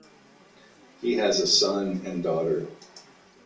He has a son and daughter.